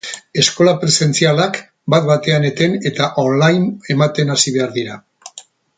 Eskola presentzialak bat-batean eten eta online ematen hasi behar dira.